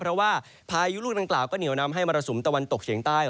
เพราะว่าพายุลูกดังกล่าวก็เหนียวนำให้มรสุมตะวันตกเฉียงใต้